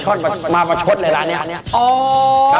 ผมก็เลยสั่งมาประชดเลยร้านเนี้ย